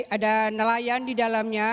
ada nelayan di dalamnya